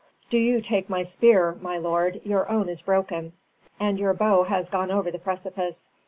"Do you take my spear, my lord; your own is broken, and your bow has gone over the precipice.